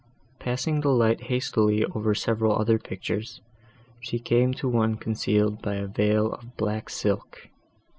Passing the light hastily over several other pictures, she came to one concealed by a veil of black silk.